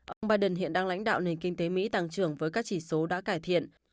ông biden hiện đang lãnh đạo nền kinh tế mỹ tăng trưởng với các chỉ số đã cải thiện